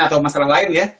atau masalah lain ya